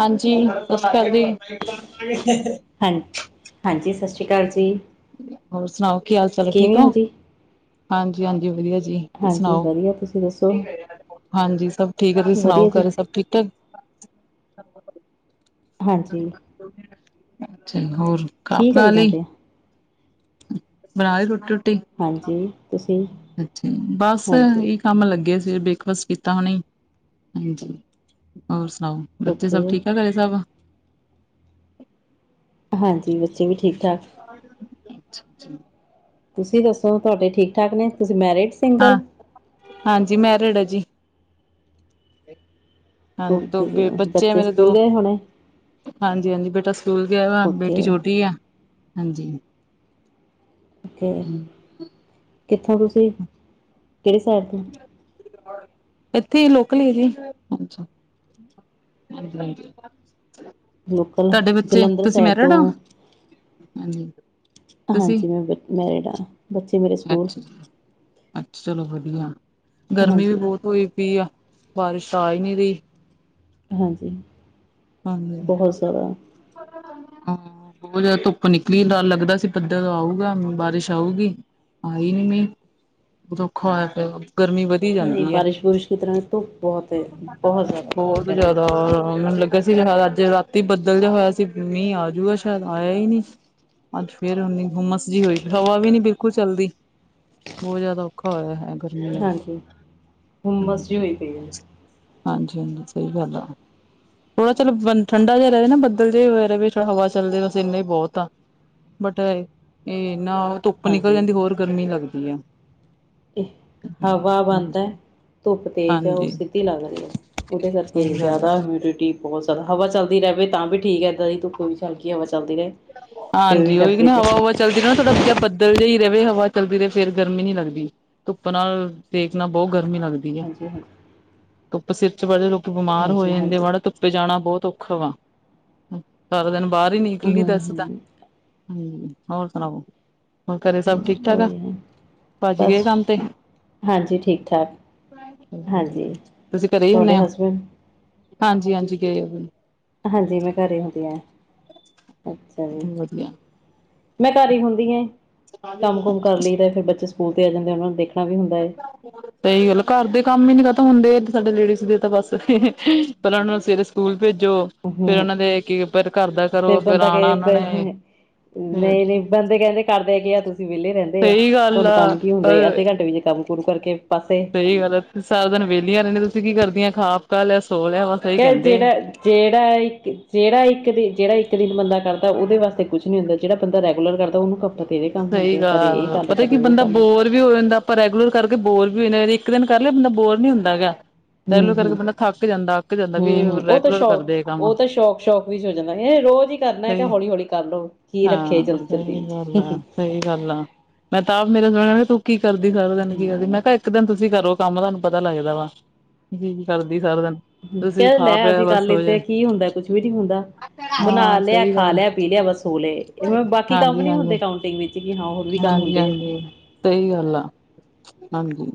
ਹਾਂਜੀ, ਸਤ ਸ਼੍ਰੀ ਅਕਾਲ ਜੀ। ਹਾਂ ਹਾਂਜੀ ਸਤਿ ਸ਼੍ਰੀ ਅਕਾਲ ਜੀ ਹੋਰ ਸੁਣਾਔ ਕੀ ਹਾਲ ਚਾਲ ਐ, ਠੀਕ ਕਿਵੇਂ ਹੋ ਔ? ਜੀ ਹਾਂਜੀ-ਹਾਂਜੀ ਵਧੀਆ ਜੀ। ਤੁਸੀ ਹਾਂਜੀ ਸੁਣਾਔ? ਵਧੀਆ ਤੁਸੀਂ ਦੱਸੋ ਹਾਂਜੀ ਸਭ ਠੀਕ ਆ। ਤੁਸੀ ਸੁਣਾਔ ਵਧੀਆ ਜੀ ਘਰੇ ਸਭ ਠੀਕ ਏ? ਹਾਂਜੀ ਅੱਛਾ ਜੀ, ਹੋਰ ਖਾ ਕੀ ਪਕਾ ਕਰੀ ਲਈ? ਜਾਂਦੇ ਆ ਬਣਾ ਲਈ ਰੋਟੀ ਰੁਟੀ। ਹਾਂਜੀ ਤੁਸੀਂ ਅੱਛਾ ਜੀ। ਬਸ ਹਾਂਜੀ ਅਈ ਕੰਮ ਲੱਗੇ ਸੀ। ਬ੍ਰੇਕਫਾਸਟ ਕੀਤਾ ਹੁਣੇ ਈ। ਹੋਰ ਸੁਣਾਔ? ਬੱਚੇ ਓਕੇ ਸਭ ਠੀਕ ਐ ਘਰੇ ਸਭ? ਹਾਂਜੀ, ਬੱਚੇ ਵੀ ਠੀਕ ਠਾਕ। ਅੱਛਾ-ਅੱਛਾ। ਤੁਸੀ ਦੱਸੋ, ਤੁਆਡੇ ਠੀਕ-ਠਾਕ ਨੇ? ਤੁਸੀ ਮੈਰਿਡ? ਹਾਂ ਸਿੰਗਲ? ਹਾਂਜੀ, ਮੈਰਿਡ ਐ ਜੀ। ਹਾਂਜੀ ਦੋ ਓਕੇ ਬੇ, ਜੀ ਬੱਚੇ ਆ ਮੇਰੇ ਦੋ। ਸਕੂਲ ਗਏ ਹੋਣੇ ਹਾਂਜੀ-ਹਾਂਜੀ ਬੇਟਾ ਸਕੂਲ ਗਿਆ ਵਾ। ਓਕੇ ਬੇਟੀ ਛੋਟੀ ਆ। ਹਾਂਜੀ। ਔਕੇ। ਹੂੰ ਕਿੱਥੋਂ ਤੁਸੀ? ਕੇੜੀ ਸਾਈਡ ਤੋਂ? ਏੱਥੇ ਈ ਲੋਕਲ ਈ ਹੈਗੇ। ਲੋਕਲ ਤੁਆਡੇ ਬੱਚੇ? ਜਲੰਧਰ ਤੁਸੀ ਸਾਈਡ ਤੋਂ ਮੈਰਿਡ ਔ? ਹਾਂਜੀ। ਤੁਸੀਂ ਹਾਂਜੀ ਮੈਂ ਬ ਮੈਰਿਡ ਆਂ। ਬੱਚੇ ਮੇਰੇ ਸਕੂਲ ਅੱਛ, ਚਲੋ ਵਧੀਆ। ਗਰਮੀ ਵੀ ਹਾਂਜੀ ਬੋਤ ਹੋਈ ਪਈ ਆ। ਬਾਰਿਸ਼ ਆ ਈ ਨਈ ਰਈ। ਹਾਂਜੀ। ਹਾਂਜੀ, ਹਾਂ। ਬੋਹੋਤ ਜਿਆਦਾ ਧੁੱਪ ਨਿਕਲੀ ਤਾਂ ਲੱਗਦਾ ਸੀ ਬਦਲ ਆਊਗਾ, ਬਾਰਿਸ਼ ਆਊਗੀ। ਆਈ ਮੀਂਅ। ਜੀ ਖ਼ਾਸ ਐ ਔ ਗਰਮੀ ਵੱ ਨਈ ਬਾਰਿਸ਼-ਬੂਰਿਸ਼ [unintelligible] ਏਧਰ ਬੋਹੋਤ ਹੈ, ਬੋਹੋਤ ਜ਼ਿਆਦਾ। [unintelligible] ਅੱਜ ਰਾਤੀ ਬੱਦਲ ਜਿਹਾ ਹੋਇਆ ਸੀ ਮੀਂਹ ਆਜੂਗਾ ਸ਼ਾਇਦ ਆਇਆ ਈ ਨਈ। ਅੱਜ ਫੇਰ ਔਨੀ ਹੁੰਮਸ ਜਈ ਹੋਈ ਹਵਾ ਵੀ ਨੀ ਬਿਲਕੁਲ ਚੱਲਦੀ ਬੋਤ ਜ਼ਿਆਦਾ ਔਖਾ ਹੋਇਆ ਦੈ ਗਰਮੀ ਹਾਂਜੀ ਹੁੰਮਸ ਜੀ ਹੋਈ [unintelligible] ਪਈ ਹੈ ਹਾਂਜੀ-ਹਾਂਜੀ ਸਈ ਗੱਲ ਆ। ਥੋੜਾ ਚਲ ਬ ਠੰਡਾ ਜਿਆ ਰਏ ਨਾ ਬਦਲ ਜਏ ਹੋਏ ਰਵੇ ਥੋੜਾ ਹਵਾ ਚਲਦੇ ਵ ਬਸ ਇੰਨਾ ਈ ਬੋਹੋਤ ਆ। ਬਟ ਐ ਏ ਕਿ ਨਾਲ ਧੁੱਪ ਨਿਕਲ ਹਾਂਜੀ ਜਾਂਦੀ ਹੋਰ ਗਰਮੀ ਲੱਗਦੀ ਏ। ਤੇ ਹਵਾ ਬੰਦ ਐ। ਧੁੱਪ ਤੇਜ਼ ਆ। ਔ ਹਾਂਜੀ ਸਿੱਧੀ ਲੱਗ ਰਈ ਐ। ਉਦੇ ਸਹੀ ਕਰਕੇ ਗੱਲ ਆ ਜ਼ਿਆਦਾ ਹੁਮਡਿਟੀ ਬੋਹੋਤ ਜ਼ਿਆਦਾ ਹਵਾ ਚੱਲਦੀ ਰੈਵੇ ਤਾਂ ਵੀ ਠੀਕ ਐ। ਐਦਾਂ ਦੀ ਧੁੱਪ ਵਿੱਚ ਹਲਕੀ ਹਵਾ ਚੱਲਦੀ ਰਏ। ਹਾਂਜੀ ਔਈ ਕਿ ਨਾ ਹਵਾ ਹੁਵਾ ਚੱਲਦੀ ਰੇ ਨਾ ਥੋੜ੍ਹਾ ਜ ਬੱਦਲ ਜਿਹੀ ਰਵੇ, ਹਵਾ ਚੱਲਦੀ ਰਹੇ ਫੇਰ ਗਰਮੀ ਨੀ ਲੱਗਦੀ। ਧੁੱਪ ਨਾਲ, ਸੇਕ ਨਾਲ ਬਹੁਤ ਗਰਮੀ ਲੱਗਦੀ। ਆ ਹਾਂਜੀ-ਹਾਂਜੀ। ਧੁੱਪ ਸਿਰ ਚ ਵੜਦੇ ਲੋਕ ਬਿਮਾਰ ਹਾਂਜੀ ਹੋਏ ਜਾਂਦੇ ਹਾਂਜੀ ਵਾਲਾ ਧੁੱਪੇ ਜਾਣਾ ਬਹੁਤ ਔਖਾ ਵਾ ਸਾਰਾ ਦਿਨ ਬਾਹਰ ਹੀ ਹੂੰ ਨਿਕਲੀ ਤਾਂ ਦਸ ਹੂੰ ਹਮ ਹੋਰ ਸੁਣਾਓ, ਹੋਰ ਘਰੇ ਸਭ ਠੀਕ ਹੂੰ ਠਾਕ ਆ ਉਹੀ ਹੈ ਭਾਜੀ ਗਏ ਬਸ ਕੰਮ ਤੇ ਹਾਂਜੀ ਠੀਕ ਠਾਕ ਹਾਂਜੀ ਤੁਸੀਂ ਘਰੇ ਹੀ ਤੁਹਾਡੇ ਹੁੰਦੇ ਹੋ। ਹਸਬੈਂਡ ਹਾਂਜੀ-ਹਾਂਜੀ ਗਰੇ ਹੋ ਵੀ ਹਾਂਜੀ, ਮੈਂ ਘਰ ਹੁੰਦੀ ਹਾਂ। ਅੱਛਾ ਜੀ, ਵਧੀਆ, ਮੈਂ ਘਰ ਹੀ ਹੁੰਦੀ ਆ। ਕੰਮ ਕੁਮ ਕਰ ਲਈ ਤੇ ਫਿਰ ਬੱਚੇ ਸਕੂਲ ਤੇ ਆ ਜਾਂਦੇ, ਉਹਨਾਂ ਨੂੰ ਦੇਖਣਾ ਵੀ ਹੁੰਦਾ ਐ। ਸਹੀ ਗੱਲ ਆ, ਘਰ ਦੇ ਕੰਮ ਹੀ ਨੀ ਖ਼ਤਮ ਹੁੰਦੇ। ਸਾਡੇ ਲੇਡੀਜ਼ ਦੇ ਤਾਂ ਬਸ ਪੇਹਲਾ ਉਹਨੂੰ ਸਵੇਰੇ ਸਕੂਲ ਭੇਜੋ ਫਿਰ ਹੂੰ ਉਹਨਾਂ ਦੇ ਕੀ ਘਰ ਦਾ ਕਰੋ ਫੇਰ ਆਣਾ ਉਹਨਾਂ ਨੇ ਫੇਰ ਨਹੀਂ-ਨਹੀਂ ਬੰਦੇ ਕਹਿੰਦੇ ਕਰਦੇ ਆ ਕਿ ਆ ਤੁਸੀਂ ਵਿਹਲੇ ਰਹਿੰਦੇ ਆ, ਸਹੀ ਗੱਲ ਤੁਹਾਨੂੰ ਆ ਕੰਮ ਕੀ ਹੁੰਦਾ ਪਰ ਅੱਧੇ ਘੰਟੇ ਵਿੱਚ ਕੰਮ ਕੰਮ ਕੁਰ ਕਰਕੇ ਪਾਸੇ ਸਹੀ ਗੱਲ ਐ, ਤੁਸੀਂ ਸਾਰਾ ਦਿਨ ਵਿਹਲੀਆਂ ਰਹਿੰਆਂ ਤੁਸੀਂ ਕੀ ਕਰਦੀਆਂ ਖਾਪਤਾ ਲਿਆ, ਸੋ ਲਿਆ ਵ ਕ ਜਿਹੜਾ ਜਿਹੜਾ ਇੱਕ, ਜਿਹੜ ਇੱਕ ਦਿਨ, ਜਿਹੜਾ ਇੱਕ ਦਿਨ ਬੰਦਾ ਕਰਦਾ ਉਹਦੇ ਵਾਸਤੇ ਕੁਛ ਨੀ ਹੁੰਦਾ ਜਿਹੜਾ ਬੰਦਾ ਰੈਗੂਲਰ ਕਰਦਾ ਤਾਂ ਉਹਨੂੰ ਕੱਪੜੇ ਤੇਰੇ ਕੰਮ ਸਹੀ ਹੁੰਦੇ ਕਦੇ ਗੱਲ ਇਹ ਕਰ ਪਤਾ ਕੀ ਲੈ ਉਹ ਬੰਦਾ ਕਰ ਲੈ। ਬੋਰ ਵੀ ਹੋ ਜਾਂਦਾ। ਆਪਾਂ ਰੈਗੂਲਰ ਕਰਕੇ ਬੋਰ ਵੀ ਹੋ ਜਾਂਦੇ, ਇੱਕ ਦਿਨ ਕਰ ਲਿਆ ਬੰਦਾ ਬੋਰ ਨੀ ਹੁੰਦਾ ਹੈਗਾ। ਹੂੰ ਤੈਲੂ ਕਰਕੇ ਹੂੰ ਬੰਦਾ ਥੱਕ ਜਾਂਦਾ, ਅੱਕ ਜਾਂਦਾ ਵੀ ਹੂੰ-ਹੂੰ ਰੈਗੂਲਰ ਕਰਦੇ ਆ ਕੰਮ। ਉਹੀ ਸੋ ਜਾਂਦਾ। ਰੋਜ਼ ਹੀ ਕਰਨਾ ਕਿ ਸਹੀ ਹੌਲੀ-ਹੌਲੀ ਕਰਲਓ ਕੀ ਰੱਖੇ ਹਾਂ ਜਲਦੀ-ਜਲਦੀ ਸਹੀ ਵਿੱਚ ਗੱਲ ਸਹੀ ਗੱਲ ਆ, ਮੈਂ ਤਾਂ ਆਪ ਮੇਰੇ ਸੁ ਕ ਤੂੰ ਕੀ ਕਰਦੀ ਸਾਰ ਉਹਦੇ ਕੀ ਕਰਦੀ ਮੈਂ ਕਿਹਾ ਇੱਕ ਦਿਨ ਤੁਸੀਂ ਕਰੋ ਕੰਮ ਤੁਹਾਨੂੰ ਪਤਾ ਲੱਗਦਾ ਵਾ, ਕੀ-ਕੀ ਕਰਦੀ ਸਾਰਾ ਦਿਨ ਤੁਸੀਂ ਕਹਿ ਲੈ, ਖਾ ਪਿਆ ਅਸੀਂ ਕਰ ਬਸ ਹੋ ਜਾ ਲੈਤੇ ਕੀ ਹੁੰਦਾ, ਕੁਛ ਵੀ ਨੀ ਹੁੰਦਾ। ਬਣਾ ਹਾਂ ਲਿਆ, ਸਹੀ ਖਾ ਗੱਲ ਆ ਲਿਆ, ਪੀ ਲਿਆ, ਬਸ ਸੋ ਲਏ ਬਾਕੀ ਕੰਮ ਹਾਂਜੀ ਨੀ ਹਾਂਜੀ ਹੁੰਦੇ ਕਾਉਂਟਿੰਗ ਵਿੱਚ ਸੀ ਕਿ ਹਾਂ ਹੋਰ ਵੀ ਕੰਮ ਹਾਂਜੀ ਹੁੰਦੇ ਆ। ਹਾਂਜੀ ਸਹੀ ਗੱਲ ਆ। ਹਾਂਜੀ,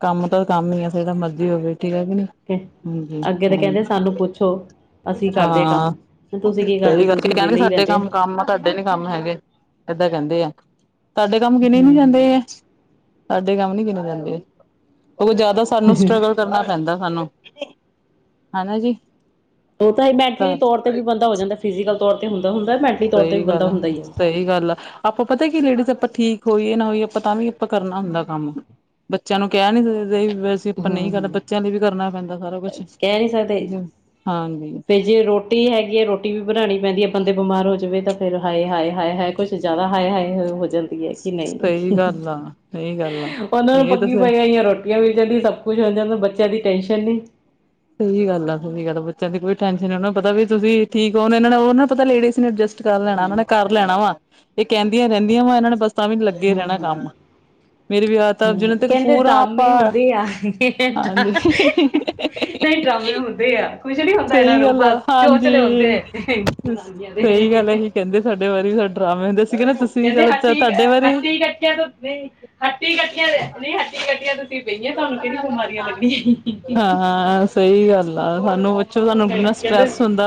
ਕੰਮ ਤਾਂ ਕੰਮ ਹੀ ਆ ਜਿਹੜਾ ਮਰਜ਼ੀ ਹੋਵੇ ਠੀਕ ਹੈਗੀ ਨੀ। ਆ ਅੱਗੇ ਤਾਂ ਕਹਿੰਦੇ ਸਾਨੂੰ ਪੁੱਛੋ ਹਾਂਜੀ-ਹਾਂਜੀ। ਅਸੀਂ ਕਰਦੇ ਆ ਹਾਂ, ਕੰਮ ਤੁਸੀਂ ਕੀ ਕਰਦੇ ਸਹੀ ਗੱਲ ਤੁਸੀਂ ਕਹਿਣਗੇ ਵਿਹਲੇ ਹੀ ਸਾਡੇ ਰਹਿੰਦੇ ਕੰਮ, ਕੰਮ ਆ ਤੁਹਾਡੇ ਨੀ ਕੰਮ ਹੈਗੇ। ਏਦਾਂ ਕਹਿੰਦੇ ਆ, ਸਾਡੇ ਕੰਮ ਗਿਣੇ ਨੀ ਹੂੰ-ਹੂੰ ਜਾਂਦੇ। ਸਾਡੇ ਕੰਮ ਨੀ ਕਿਨ ਜਾਂਦੇ ਆ ਕਿਉਂਕਿ ਜਿਆਦਾ ਸਾਨੂੰ ਸਟਰਗਲ ਕਰਨਾ ਪੈਂਦਾ ਸਾਨੂੰ, ਹਨਾ ਜੀ। ਉਹ ਤਾਂ ਹੀ ਮੈਂਟਲੀ ਘਰ ਤੌਰ ਤੇ ਵੀ ਬੰਦਾ ਹੋ ਜਾਂਦਾ, ਫਿਜ਼ਕਲ ਤੌਰ ਤੇ ਹੁੰਦਾ-ਹੁੰਦਾ। ਮੈਂਟਲੀ ਤੌਰ ਤੇ ਵੀ ਸਹੀ ਬੰਦਾ ਗੱਲ ਆ, ਹੁੰਦਾ ਹੀ ਸਹੀ ਗੱਲ ਆ। ਆਪਾਂ ਪਤਾ ਕੀ ਲੇਡੀਜ਼ ਆਪਾਂ ਠੀਕ ਹੋਈਏ ਨਾ ਹੋਈਏ, ਆਪਾਂ ਤਾਂ ਵੀ ਆਪਾਂ ਕਰਨਾ ਹੁੰਦਾ ਕੰਮ ਬੱਚਿਆਂ ਨੂੰ ਕਹਿ ਨੀ ਸਕਦੇ [unintelligible] ਆਪਾਂ ਨਹੀਂ ਹੂੰ-ਹੂੰ ਕਰਦਾ, ਬੱਚਿਆਂ ਲਈ ਵੀ ਕਰਨਾ ਪੈਂਦਾ ਸਾਰਾ ਕੁਛ ਠੀਕ ਐ, ਹਾਂਜੀ। ਤੇ ਜੇ ਰੋਟੀ ਹੈਗੀ ਹੈ ਰੋਟੀ ਵੀ ਬਣਾਣੀ ਪੈਂਦੀ ਐ, ਬੰਦੇ ਬਿਮਾਰ ਹੋ ਜਾਵੇ ਤਾਂ ਫੇਿਰ ਹਾਏ -ਹਾਏ ਹਏ- ਹਾਏ। ਕੁਛ ਜ਼ਿਆਦਾ ਹਾਏ -ਹਾਏ ਹੋ ਜਾਂਣ ਕਿ ਨਈ, ਸਹੀ ਗੱਲ ਆ, ਸਹੀ ਗੱਲ ਆ। ਉਹਨਾਂ ਨੂੰ ਇਹ ਤਾਂ ਪੱਕੀ ਫਿਰ ਪਈ ਆ ਰੋਟੀ ੀਆਂ ਮਿਲ ਜਾਂਦੀ। ਸਭ ਕੁਛ ਹੋ ਜਾਂਦਾ, ਬੱਚਿਆਂ ਦੀ ਟੈਨਸ਼ਨ ਨਹੀਂ ਸਹੀ ਗੱਲ ਆ, ਸਹੀ ਗੱਲ ਤਾਂ ਬੱਚਿਆਂ ਦੀ ਕੋਈ ਟੈਨਸ਼ਨ ਨੀ ਉਹ ਪਤਾ ਵੀ ਤੁਸੀਂ ਠੀਕ ਹੋ ਇਹ ਨਾਲ ਉਹ ਨਾ ਪਤਾ ਲੇਡੀਜ਼ ਐਡਜਸਟ ਕਰ ਲੈਣਾ, ਇਹਨਾਂ ਹਮ ਨੇ ਕਰ ਲੈਣਾ ਵਾ ਇਹ ਕਹਿੰਦੀਆਂ ਰਹਿੰਦੀਆਂ ਵਾ ਇਹਨਾਂ ਨੇ ਬਸ ਤਾਂ ਵੀ ਲੱਗੇ ਹਮ ਰਹਿਣਾ ਹਮ ਕੰਮ ਮੇਰੇ ਵਿਆਹ ਤਾਂ ਹਮ ਜਿਨ ਤੱਕ ਕਹਿੰਦੇ ਪੂਰਾ ਆਪਾ, ਡਰਾਮੇ ਹੁੰਦੇ ਆ ਹਾਂਜੀ। ਨਹੀਂ ਡਰਾਮੇ ਹੁੰਦੇ ਆ। ਕੁਛ ਨੀ ਹੁੰਦਾ ਇਹਨਾਂ ਸਹੀ ਨੂੰ, ਗੱਲ ਆ ਬਸ ਹਾਂਜੀ ਚੋਚਲੇ ਹੁੰਦੇ ਆ। ਸਹੀ ਗੱਲ ਇਹੀ [unintelligible] ਕਹਿੰਦੇ ਸਾਡੇ ਵਾਰੀ ਡਰਾਮੇ ਹੁੰਦੇ ਸੀਗੇ ਨਾ ਤੁਸੀ ਕਹਿੰਦੇ ਹੱਟੀ ਹੱਟੀ ਕੱਠ ਨਹੀਂ ਹੱਟੀ ਕੱਠੀਆਂ ਨਹੀਂ ਹੱਟੀ ਕੱਟੀਆਂ ਤੁ ਪਈ ਆ, ਤੁਹਾਨੂੰ ਕਿਹੜੀ ਬਿਮਾਰੀਆਂ ਲੱਗੀਆਂ। ਹਾਂ, ਸਹੀ ਗੱਲ ਆ। ਸਾਨੂੰ ਪੁਛੋ, ਸਾਨੂੰ ਤੇ ਕਿੰਨਾ ਕਹਿੰਦੇ ਸਟਰੈਸ ਹੁੰ ਹੂੰ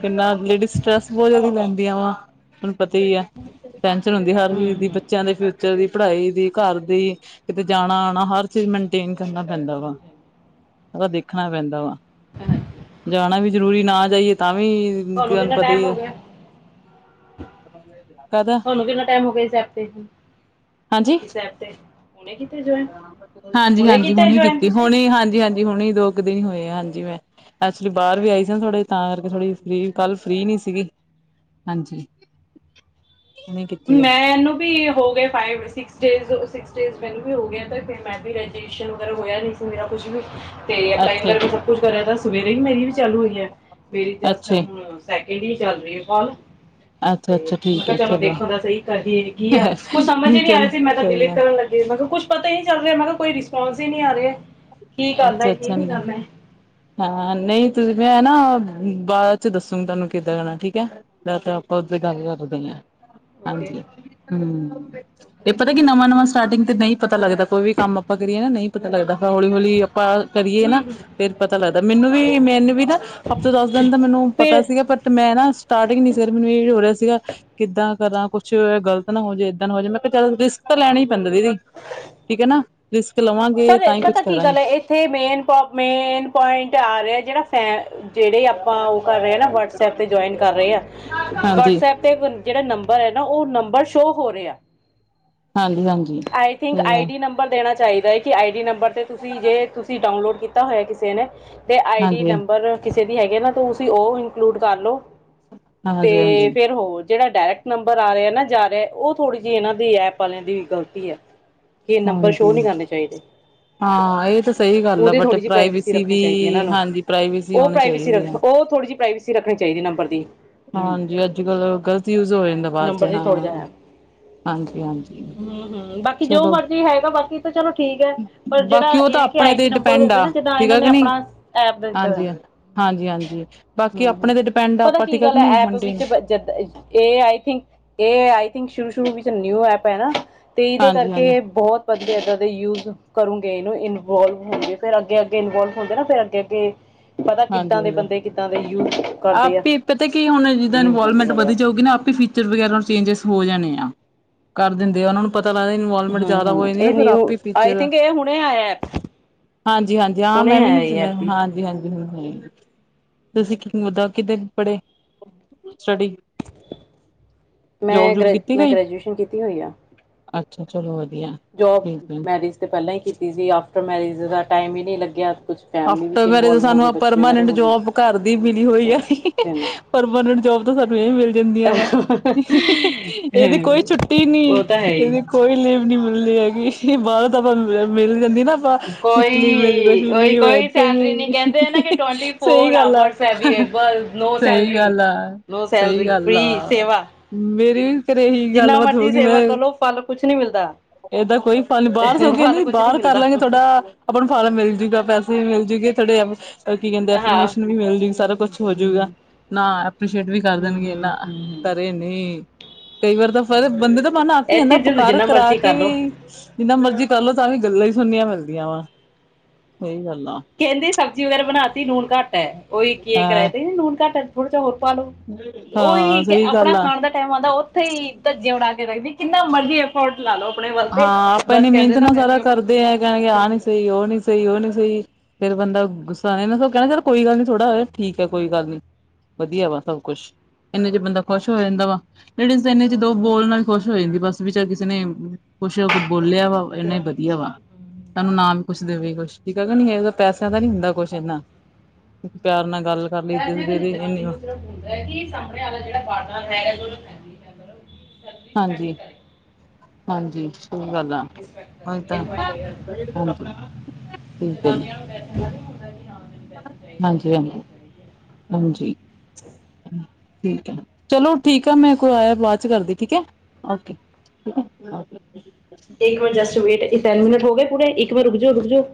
ਕਿੰਨਾ ਲੇਡੀਜ਼ ਸਟ੍ਰੈਸ ਬਹੁਤ ਜ਼ਿਆਦਾ ਲੈਂਦੀਆਂ ਵਾ, ਤੁਹਨੂੰ ਪਤਾ ਹੀ ਆ। ਟੈਸ਼ਨ ਹੁੰਦੀ ਹਰ ਚੀਜ਼ ਦੀ। ਹੂੰ ਬੱਚਿਆਂ ਦੇ ਫਿਊਚਰ ਦੀ, ਪੜ੍ਹਾਈ ਦੀ, ਘਰ ਦੀ, ਕਿਤੇ ਜਾਣਾ-ਆਣਾ ਹਰ ਚ ਮੇਨਟੇਨ ਕਰਨਾ ਪੈਂਦਾ ਵਾ, ਓਹਦਾ ਦੇਖਣਾ ਪੈਂਦਾ ਵਾ। ਹਾਂਜੀ ਜਾਣਾ ਵੀ ਜਰੂਰੀ, ਨਾ ਜਾਈਏ ਤਾਂ ਵੀ ਤੁਹਾਨੂੰ ਕਿੰਨਾ ਪਤਾ ਟਾਈਮ ਹੀ ਹੈ ਹੋਗਿਆ? ਕਾਹਦਾ ਤੁਹਾਨੂੰ ਕਿੰਨਾ ਟਾਈਮ ਹੋ ਗਿਆ, ਇਸ ਐਪ ਤੇ, ਹੀ? ਹਾਂਜੀ ਇਸ ਐਪ ਤੇ, ਹੁਣੇ ਕੀਤਾ ਜਵੌਇਨ, ਹੁਣੇ ਹਾਂਜੀ-ਹਾਂਜੀ ਕਿੱਤੈ ਹੁਣੀ ਜੌਈਨ ਕੀਤੀ ਤੁਸੀਂ? ਹੁਣੀ ਹਾਂਜੀ-ਹਾਂਜੀ, ਹੁਣੇ ਦੋ ਕੁ ਦਿਨ ਈ ਹੋਏ ਆ ਹਾਂਜੀ, ''ਮੈਂ ਐਕਚੁਲੀ ਬਾਹਰ ਵੀ ਆਈ ਸੀ ਨਾ ਥੋੜੇ ਤਾਂ ਕਰਕੇ ਥੋੜੀ ਫ੍ਰੀ, ਅੱਛਾ ਕੱਲ ਫ੍ਰੀ ਨਹੀ ਸੀਗੀ, ਹਾਂਜੀ। ਹੁਣੀ ਕੀਤੀ ਹੈ ਮੈਂਨੁੰ ਬੀ, ਹੋ ਗਏ five six days, six days ਮੈਨੂੰ ਵੀ ਹੋਗੇਨ, ਤੇ ਫਿਰ ਮੈਂ ਵੀ ਰੈਡੀਸ਼ਨ ਵਗੈਰਾ ਹੋਇਆ ਨਹੀਂ ਸੀ, ਮੇਰਾ ਕੁਝ ਵੀ। ਤੇ ਪੜ੍ਹਾਈ ਅੱਛੇ ਵਗੈਰਾ ਮੈਂ ਸਭ ਕੁਛ ਕਰਿਆ, ਤਾਂ ਸਵੇਰੇ ਹੀ ਮੇਰੀ ਵੀ ਚਾਲੂ ਹੋਈ ਹੈ, ਮੇਰੀ ਜਸਟ ਅੱਛੇ ਹੁਣ ਸੈਕਿੰਡ ਹੀ ਚੱਲ ਰਹੀ ਕੌਲ, ਤੇ ਅੱਛਾ-ਅੱਛਾ ''ਮੈਂ ਠੀਕ ਕਿਹਾ ਹੈ ਚਲੋ ਦੇਖ ਸਹੀ ਕਰਦੀ ਹੇਗੀਆ। ਕੁਛ ਸਮਝ ਨਹੀਂ ਹੀ ਨੀ ਆ ਚਲ ਰਿਹਾ ਸੀ, ਮੈਂ ਤਾਂ ਕੋਈ ਡਿਲੀਟ ਗੱਲ ਕਰਨ ਲੱਗ ਤੇ, ਮੈਂ ਕਿਹਾ ਕੁੱਛ ਪਤਾ ਹੀ ਨੀ ਚੱਲ ਰਿਹਾ, ਮੈਂ ਕਿਹਾ ਕੋਈ ਰਿਸਪੌਸ ਹੀ ਨਹੀਂ ਆ ਰਿਹਾ, ਕੀ ਕਰਨਾ, ਕੀ ਨਹੀਂ ਅੱਛਾ-ਅੱਛਾ ਕਰਨਾ। ਹਾਂ, ਨਹੀਂ, ਤੁਸੀਂ ਮੈਂ ਨਾ ਬਾਅਦ'ਚ ਦੱਸੂੰਗੀ ਤੁਹਾਨੂੰ ਕਿੱਦਾਂ ਜਾਣਾ, ਠੀਕ ਹੈ। ਜਾਂ ਤਾ ਆਪਾਂ ਉਧਰ ਗੱਲ ਕਰਦੇ ਆਂ, ਓਕੇ ਹਾਂਜੀ, ਹੂੰ ਤੇ ਪਤਾ ਕੀ, ਨਵਾਂ-ਨਵਾਂ ਸਟਾਰਟਿੰਗ ਤੇ ਨਹੀਂ ਪਤਾ ਲੱਗਦਾ, ਕੋਈ ਵੀ ਕੰਮ ਆਪਾਂ ਕਰੀਏ ਨਾ ਨਹੀਂ ਪਤਾ ਲੱਗਦਾ। ਫਿਰ ਹੌਲੀ-ਹੌਲੀ ਪਾ ਕਰੀਏ ਹੂੰ ਨਾ, ਹੂੰ ਫਿਰ ਪਤਾ ਲੱਗਦਾ, ਮੈਨੂੰ ਵੀ, ਮੈਨ ਵੀ ਨਾ ਹਫ਼ਤੇ, ਦਸ-ਦਿਨ ਦਾ ਮੈਨੂੰ ਪਤਾ ਫਿਰ ਸੀਗਾ, ਪਰ ਤੇ ਮੈਂ ਨਾ, ਸਟਾਰਟਿੰਗ ਨੀ ਸਵੇਰ ਮੈਨੂੰ ਇਹ ਹੋ ਰਿਹਾ ਸੀਗਾ ਕਿੱਦਾਂ ਕਰਾਂ ਕੁਛ ਗਲਤ ਨਾ ਹੋਜੇ, ਇਦਾਂ ਨਾ ਹੋਜੇ, ਮੈਂ ਕਿਹਾ ਚੱਲ ਰਿਸਕ ਤਾਂ ਲੈਣਾ ਹੀ ਪੈਂਦਾ ਦੀਦੀ। ਠੀਕ ਹੈ ਨਾ, ਰਿਸਕ ਲਵਾਂਗੇ ਪਰ ਤਾਂ ਹੀ ਕੁਛ ਪਤਾ ਕੀ ਕਰਾਂਗੇ। ਗੱਲ ਹੈ ਇੱਥੇ, ਮੇਨ ਪ ਮੇਨ ਪੁਆਇੰਟ ਆ ਰਿਹਾ ਜਿਹੜਾ ਫੈ ਜਿਹੜੇ ਆਪਾਂ ਉਹ ਕਰ ਰਹੇ ਹਾਂ ਨਾ, ਵਟਸਐਪ 'ਤੇ ਜੁਆਇਨ ਕਰ ਰਹੇ ਹਾਂ, ਹਾਂਜੀ ਵਟਸਐਪ ਤੇ ਜਿਹੜਾ ਨੰਬਰ ਹੈ ਨਾ, ਉਹ ਨੰਬਰ ਸ਼ੋਅ ਹੋ ਰਿਹਾ। ਹਾਂਜੀ-ਹਾਂਜੀ ਆਈ ਥਿੰਕ, ਸਹੀ ਆਈ ਗੱਲ ਡੀ ਨੰ ਦੇਣਾ ਚਾਹੀਦਾ ਹੈ ਕਿ, ਆਈਡੀ ਨੰਬਰ ਤੇ ਤੁਸੀਂ, ਜੇ ਤੁਸੀਂ ਡਾਊਨਲੋਡ ਕੀਤਾ ਹੋਇਆ ਕਿਸੇ ਨੇ ਤੇ ਆਈਡੀ ਹਾਂਜੀ, ਨੰਬਰ ਕਿਸੇ ਦੀ ਹੈਗੀ ਆ ਨਾ, ਤੁਸੀ ਉਹ ਇਨਕਲੂਡ ਕਰਲੋ। ਤੇ, ਹਾਂਜੀ-ਹਾਂਜੀ, ਹਾਂਜੀ ਫਿਰ ਹੋਰ ਜਿਹੜਾ ਡਾਇਰੈਕਟ ਨੰਬਰ ਆ ਰਿਹਾ, ਨਾ ਜਾ ਰਿਹਾ, ਉਹ ਥੋੜੀ ਜਿਹੀ ਇਹਨਾਂ ਦੀ ਐਪ ਵਾਲਿਆਂ ਦੀ ਗ਼ਲਤੀ ਐ। ਹਾਂਜੀ, ਹਾਂ, ਇਹ ਤਾ ਸਹੀ ਗੱਲ ਆ ਉਹਦੀ ਬਟ, ਥੋੜ੍ਹੀ ਜਿਹੀ ਪ੍ਰਾਈਵੇਸੀ ਰੱਖਣੀ ਵੀ, ਚਾਹੀਦੀ ਹਾਂਜੀ ਪ੍ਰਾਈਵੇਸੀ ਹੋਣੀ ਚਾਹੀਦੀ ਆ। ਓ ਥੋੜੀ ਜਿਹੀ ਪ੍ਰਾਈਵੇਸੀ ਰੱਖਣੀ ਚਾਹੀਦੀ ਨੰਬਰ ਦੀ। ਹੂੰ ਹਾਂਜੀ, ਅੱਜ-ਕੱਲ ਗ਼ਲਤ ਯੂਜ ਹੋ ਜਾਂਦਾ ਬਾਅਦ'ਚ ਨੰਬਰ ਦੀ ਥੋੜ੍ਹਾ ਹਾਂ। ਹਾਂਜੀ-ਹਾਂਜੀ। ਹੂੰ-ਹੂੰ, ਬਾਕੀ ਜੋ ਚਲੋ ਮਰਜੀ ਹੈਗਾ, ਬਾਕੀ ਤਾਂ ਚਲੋ ਠੀਕ ਹੈ। ਪਰ ਜਿਹੜਾ, ਬਾਕੀ ਉਹ ਇਹ ਤਾਂ ਆ ਕਿ ਆਪਣੇ ਆਈ ਡੀ ਤੇ ਨੰਬਰ ਡਿਪੈਂਡ ਹੋਵੇ ਆ ਨਾ, ਜਿੱਦਾਂ ਠੀਕ ਇਹਨਾਂ ਆ ਨੇ ਕਿ ਨਹੀਂ ਆਪਣਾ ਐਪ ਦਾ ਦਿੱਤਾ। ਹਾਂਜੀ ਹਾਂਜੀ-ਹਾਂਜੀ ਬਾਕੀ ਹੂੰ, ਆਪਣੇ ਹੂੰ, ਤੇ ਡਿਪੈਂਡ ਆ ਪਤਾ ਆਪਾਂ ਕੀ ਠੀਕ ਆ ਕਿ ਗੱਲ ਐ, ਨਹੀਂ ਐਪ ਵਿੱਚ ਮੇਨਟੇਨ ਜਦ ਏਆਈ ਥਿੰਕ, ਏ ਆਈ ਥਿੰਕ ਸ਼ੁਰੂ-ਸ਼ੁਰੂ ਵਿੱਚ ਨਿਊ ਐਪ ਐ ਨਾ, ਤੇ ਇਹਦੇ ਹਾਂਜੀ-ਹਾਂਜੀ, ਕਰਕੇ ਬਹੁਤ ਬੰਦੇ ਇਦਾਂ ਦੇ ਯੂਜ਼ ਕਰੋਂਗੇ ਇਹਨੂੰ, ਇਨਵੌਲਵ ਹੋਣਗੇ, ਫਿਰ ਅੱਗੇ-ਅੱਗੇ ਇਨਵੌਲਵ ਹੁੰਦੇ ਨਾ, ਫਿਰ ਅੱਗੇ-ਅੱਗੇ ਪਤਾ ਕਿੱਦਾਂ ਦੇ ਬੰਦੇ, ਕਿੱਦਾਂ ਦੇ ਯੂਥ ਆਪੀ ਪਤਾ ਕੀ, ਹੁਣ ਜਿੱਦਾਂ ਇਨਵੌਲਵਮੈਂਟ ਵਧੀ ਗੱਲਬਾਤ ਜਾਊਗੀ ਨਾ, ਆਪੀ ਫਿ ਫੀਚਰ ਵਗੈਰਾ ਚੇਂਜੇਸ ਹੋ ਜਾਣੇ ਆ। ਕਰ ਦਿੰਦੇ ਆ, ਉਹਨਾਂ ਨੁੰ ਪਤਾ ਲੱਗਦਾ ਇਨਵੌਲਵਮੈਂਟ ਹੂੰ ਜ਼ਿਆਦਾ ਹੋ ਹੂੰ ਜਾਂਦੀ ਨਾ, ਇਹ ਫਿਰ ਨਿਊ ਆਪੇ ਈ ਆਈ ਫਿਚਰ ਆ ਥਿੰਕ ਇਹ ਹੁਣੇ ਆਇਆ ਐਪ ਹਾਂਜੀ-ਹਾਂਜੀ ਹਾਂ, ਮੈਂ ਹੁਣੇ ਵੀ ਆਇਆ ਨੀ ਇਹ ਸੁਣਿਆ ਐਪ ਵੀ ਹਾਂਜੀ-ਹਾਂਜੀ, ਹਾਂ-ਹਾਂ ਤੁਸੀਂ ਮੁਦਾ ਕਿਤੇ ਪੜੇ ਸਟੱਡੀ? ਜੋਬ ''ਮੈਂ ਜੂਬ ਗ੍ਰੈ, ਕੀਤੀ ਮੈਂ ਕੋਈ ਗ੍ਰੈਜੂਏਸ਼ਨ ਕੀਤੀ ਹੋਈ ਆ। ਅੱਛਾ ਚਲੋ ਵਧੀਆ। ਜੋਬ ਠੀਕ ਹੈ ਮੈਰਿਜ ਤਾਂ ਪਹਿਲਾਂ ਹੀ ਕੀਤੀ ਸੀ। ਆਫਟਰ ਮੈਰਿਜ ਦਾ ਟਾਈਮ ਹੀ ਨਹੀਂ ਲੱਗਿਆ। ਕੁਝ ਫੈਮਿਲੀ ਆਫਟਰ ਵਿੱਚ ਮੈਰੇਜ, ਇਨਵੋਲਵ ਹੋ ਗਏ ਸਾਨੂੰ ਬੱਚੇ ਵਗੈਰਾ ਪਰਮਾਨੈਂਟ ਹੋ ਗਏ ਜੋਬ ਘਰ ਦੀ ਮਿਲੀ ਹੋਈ ਆ। ਫਿਰ ਪਰਮਾਨੈਂਟ ਜੋਬ। ਸਾਨੂੰ ਇਹ ਵੀ ਮਿਲ ਜਾਂਦੀਆਂ ਵਾ। ਇਹਦੀ ਕੋਈ ਹਮ, ਛੁੱਟੀ ਨੀ ਉਹ ਤਾਂ ਹੈ ਹੀ ਇਹਦੀ। ਕੋਈ ਲੀਵ ਨੀ ਮਿਲਦੀ ਹੈਗੀ। ਬਾਹਰ ਤਾ ਆਪਾਂ ਮਿਲ ਜਾਂਦੀ ਨਾ, ਆਪਾਂ ਸਿਕ ਲੀਵ, ਕੋਈ ਮਿਲਦੀ ਕੁਛ ਵੀ। ਉਹੀ ਲੀਵ ਕੋਈ ਇੱਥੇ ਸੈਲਰੀ ਨਹੀਂ ਨੀ, ਕਹਿੰਦੇ ਆ ਨਾ ਕਿ ਸਹੀ ਗੱਲ ਆ- ਆਵਰਸ ਅਵੇਲੇਬਲ ਨੋ ਸਹੀ ਸੈਲਰੀ ਗੱਲ ਆ। ਨੋ ਸਹੀ ਸੈਲਰੀ, ਗੱਲ ਫੀ ਆ। ਸੇਵਾ। ਮੇਰੀ ਵੀ ਘਰੇ ਇਹੀ ਜਿੰਨਾ ਗੱਲਬਾਤ ਹੋ ਮਰਜ਼ੀ ਗਗੀ। ਮੈਂ ਸੇਵਾ ਕਰੋ ਫਲ ਕੁਛ ਨੀ ਮਿਲਦਾ। ਏਦਾਂ ਕੋਈ ਪ ਨੀ ਬਾਹਰ ਸੋ ਕੇ ਫਲ ਕਹਿੰਦੇ ਕੁਛ ਨਹੀਂ ਬਾਹਰ ਕਰ ਮਿਲਦਾ ਲਾਂਗੇ ਥੋਡਾ। ਆਪਾਂ ਨੂੰ ਫਾਰਮ ਮਿਲਜੂਗਾ। ਪੈਸੇ ਵੀ ਮਿਲਜੂਗੇ ਥੋੜੇ। ਕੀ ਕਹਿੰਦੇ ਹਾਂ ਪਰਮੇਸ਼ਨ ਵੀ ਮਿਲ ਜੂਗੀ, ਹੂੰ ਸਾਰਾ ਹੂੰ ਕੁਛ ਹੂੰ ਹੋਜੂਗਾ। ਹੂੰ ਨਾਲ ਐਪ੍ਰਰੀਸ਼ੀਏਟ ਵੀ ਕਰ ਹੂੰ ਦੇਣਗੇ। ਹੂੰ ਨਾ ਹੂੰ ਘਰੇ ਨਹੀਂ। ਕਈ ਵਾਰ ਤਾਂ ਫੇਰ ਹੂੰ ਬੰਦੇ ਦਾ ਮਨ, ਆਕ ਹੀ ਇੱਥੇ ਜਾਂਦਾ ਜਦ ਪਕਾਰ ਜਿੰਨਾ ਕਰਾ ਮਰਜ਼ੀ ਕੇ ਕਰ ਲੋ ਵੀ। ਜਿੰਨਾ ਮਰਜੀ ਕਰਲੋ ਤਾਂ ਵੀ ਗੱਲਾਂ ਹੀ ਸੁਣਨੀਆਂ ਮਿਲਦੀਆਂ ਵਾ। ਸਹੀ ਗੱਲ ਆ। ਕਹਿੰਦੇ ਸਬਜ਼ੀ ਵਗੈਰਾ ਬਣਾ ਤੀ ਨੂਨ ਘੱਟ ਹੈ। ਉਹੀ ਕੀ ਕਰਾਆ ਹਾਂ ਤੇ ਕਹਿੰਦੇ ਨੂਨ ਘੱਟ। ਥੋੜਾ ਜਿਹਾ ਹੋਰ ਪਾਾਲ ਲੋ। ਹਾਂ ਉਹੀ ਸਹੀ ਗੱਲ ਆਪਣਾ ਆ ਖਾਣ ਦਾ ਟਾਈਮ ਉਂਦਾ ਉੱਥੇ ਹੀ ਧੱਜੇਆ ਉਡਾ ਕੇ ਰੱਖਦੀ ਕਿੰਨਾ ਮਰਜ਼ੀ ਹੋਟ ਲਾ ਲਓ ਆਪਣੇ ਵੱਲਤੇ, ਹਾਂ ਆਪਾਂ ਬਸ ਇੰਨੀ ਕਹਿੰਦੇ ਨਾ ਮੈਲੀ ਆਪਣੀ ਧ ਜਾਂਦੀ ਏ ਕੇ। ਉਹ ਨ ਸਹੀ ਉਹ ਨਹੀਂ, ਸਹੀ ਫੇਰ ਬੰਦਾ ਗੁੱਸਾ ਸ ਕਹਿਣਾ ਯਾਰ ਕੋਈੱ ਗਲ ਨੀ ਥੋੜਾ ਠੀਕ ਹੈ ਕੋਈ ਗੱਲ ਨੀ ਵਧੀਆ ਵਾ ਸਭ ਕੁਛ, ਇੰਨਾ ਚ ਬੰਦਾ ਖੁਸ਼ ਹੋ ਜਾਂਦਾ ਵਾ। ਲੇਡੀਸ ਤੇ ਇੰਨੇ ਚ, ਦੋ ਬੋਲ ਨਾਲ ਖੁਸ਼ ਹੋ ਜਾਂਦੀ ਬਸ। ਵਿਚਾਰ ਕਿਸੇ ਨੇ ਖੁਸ਼ ਹੋ ਕੇ ਬੋਲਿਆ ਵਾ, ਇੰਨਾ ਹੀ ਵਧੀਆ ਵਾ। ਤੁਹਾਨੂੰ ਨਾ ਵੀ ਕੁਛ ਦੇਵੇ ਕੁਛ ਠੀਕ ਹੈ ਨਾ, ਇਹ ਪੈਸਿਆਂ ਤਾਂ ਨੀ ਹੁੰਦਾ ਕੁਛ ਇਹਨਾ। ਪਿਆਰ ਨਾਲ ਗੱਲ ਕਰ ਲਈ। ਦ ਇਨੀੇ ਹੁੰਦਾ ਕਿ ਸਾਹਮਣੇ ਵਾਲਾ ਜਿਹੜਾ ਬਾਡਰ ਹੈ। ਹਾਂਜੀ, ਹਾਂਜੀ, ਸਹੀ ਗੱਲ ਆ। [unintelligible] ਉਹੀ ਤਾਂ ਹਾਂਜੀ ਠੀਕ ਜਨਾਨੀਆਂ ਨੂੰ ਪੈਸੇ ਦਾ ਨੀ ਹੁੰਦਾ ਹੀ ਨਾ। ਹਾਂਜੀ-ਹਾਂਜੀ, ਹਾਂਜੀ। ਠੀਕ ਹੈ, ਚਲੋ ਠੀਕ ਆ। ਮੈਂ ਕੋਈ ਆਇਆ ਬਾਅਦ ਚ ਕਰਦੀ ਠੀਕ ਹੈ ਓਕੇ। [unintelligible] ਇੱਕ ਵਾਰ ਜਸਟ ਵੇਟ, ਟੈਨ ਮਿੰਟ ਹੋ ਗਏ ਪੂਰੇ। ਇੱਕ ਵਾਰ ਰੁਕ ਜਾੋ- ਰੁਕ ਜਾੋ।